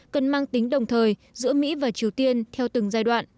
cần mang tính đồng thời giữa mỹ và triều tiên theo từng giai đoạn